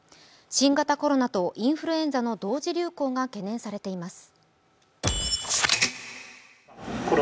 新型コロナとインフルエンザの同時流行が懸念されています。